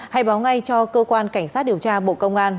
hãy báo ngay cho cơ quan cảnh sát điều tra bộ công an